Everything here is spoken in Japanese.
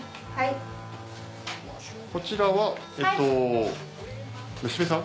こちらは娘さん？